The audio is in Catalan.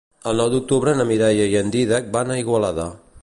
El nou d'octubre na Mireia i en Dídac van a Igualada.